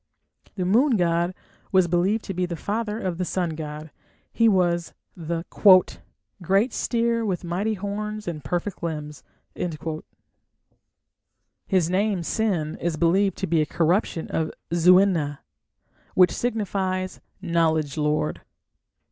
The moon god was believed to be the father of the sun god: he was the "great steer with mighty horns and perfect limbs". His name Sin is believed to be a corruption of "Zu ena", which signifies "knowledge lord".